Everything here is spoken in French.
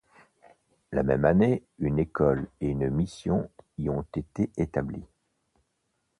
La même année, une école et une mission y ont été établies.